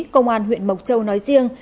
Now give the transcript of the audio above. công an huyện mộc châu nói riêng